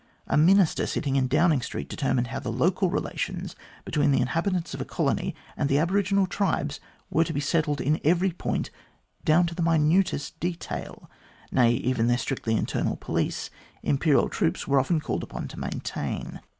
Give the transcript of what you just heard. A Minister sitting in Downing .Street de termined how the local relations between the inhabitants of a colony and the aboriginal tribes were to be settled in every point, down to the minutest detail. Nay, even their strictly internal police, Imperial troops were often called upon to maintain.